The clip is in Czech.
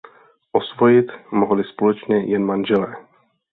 Osvojit mohli společně jen manželé.